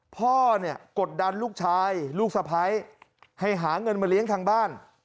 พ่อเนี่ยกดดันลูกชายลูกสะพ้ายให้หาเงินมาเลี้ยงทางบ้าน